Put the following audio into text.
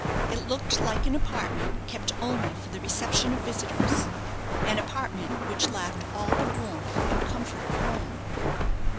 It looked like an apartment kept only for the reception of visitors an apartment which lacked all the warmth and comfort of home.